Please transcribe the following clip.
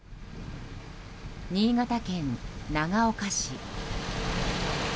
新潟県長岡市。